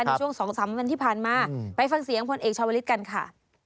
ในช่วง๒๓วันที่ผ่านมาไปฟังเสียงพลเอกชาวลิศกันค่ะ